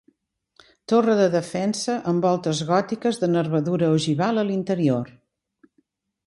Torre de defensa amb voltes gòtiques de nervadura ogival a l'interior.